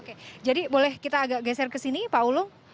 oke jadi boleh kita agak geser ke sini pak ulung